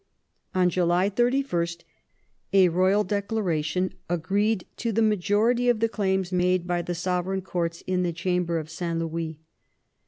On July 31 a royal declaration agreed to the majority of the claims made by the Sovereign Courts in the Chamber of St. Louis.